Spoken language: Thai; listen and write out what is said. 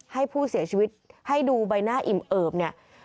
ให้ผู้เสียชีวิตให้ดูใบหน้าอิ่มเอิบเนี่ย